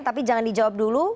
tapi jangan dijawab dulu